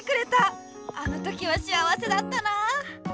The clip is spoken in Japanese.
あの時は幸せだったなあ。